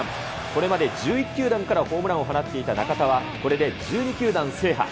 これまで１１球団からホームランを放っていた中田は、これで１２球団制覇。